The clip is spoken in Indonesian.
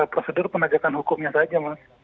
prosedur penegakan hukumnya saja mas